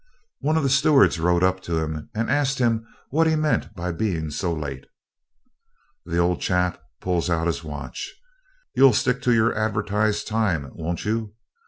One of the stewards rode up to him, and asked him what he meant by being so late. The old chap pulls out his watch. 'You'll stick to your advertised time, won't you?